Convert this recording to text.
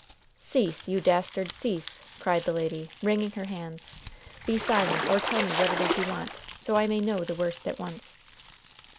"Cease! you dastard, cease!" cried the lady, wringing her hands. "Be silent! or tell me what it is you want, so I may know the worst at once!"